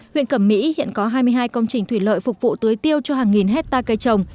huyện cẩm mỹ hiện có hai mươi hai công trình thủy lợi phục vụ tưới tiêu cho hàng nghìn hectare cây trồng